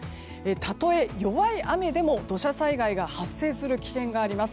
たとえ弱い雨でも、土砂災害が発生する危険があります。